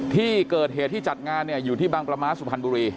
ที่เกิดเหตุที่จัดงานเนี่ยอยู่ที่บางประมาทสุพรรณบุรี